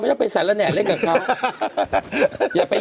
คือคือคือคือคือ